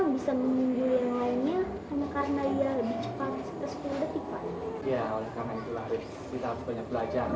bisa mengundur yang lainnya karena dia lebih cepat sekitar sepuluh detik pada ya karena itu harus